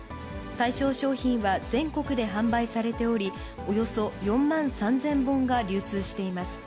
対象商品は全国で販売されており、およそ４万３０００本が流通しています。